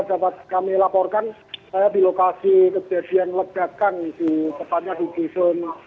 dapat kami laporkan saya di lokasi kejadian ledakan di tepatnya di dusun